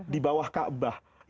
di bawah halaman